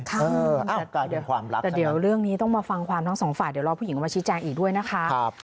แต่ด้วยความรักแต่เดี๋ยวเรื่องนี้ต้องมาฟังความทั้งสองฝ่ายเดี๋ยวรอผู้หญิงออกมาชี้แจงอีกด้วยนะคะ